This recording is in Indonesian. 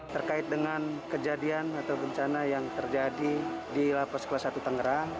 terkait dengan kejadian atau bencana yang terjadi di lapas kelas satu tangerang